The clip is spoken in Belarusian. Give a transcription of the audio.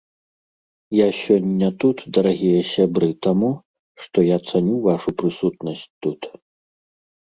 Я сёння тут, дарагія сябры, таму, што я цаню вашу прысутнасць тут.